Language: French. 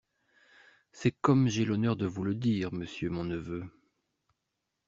C'est comme j'ai l'honneur de vous le dire, monsieur mon neveu.